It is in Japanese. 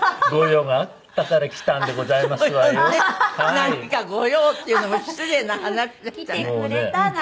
「何かご用？」っていうのも失礼な話でしたね。